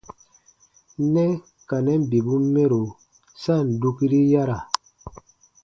Nɛ ka nɛn bibun mɛro sa ǹ dukiri yara.